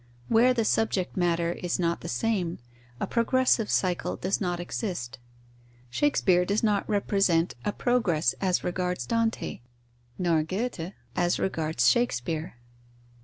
Where the subject matter is not the same, a progressive cycle does not exist. Shakespeare does not represent a progress as regards Dante, nor Goethe as regards Shakespeare.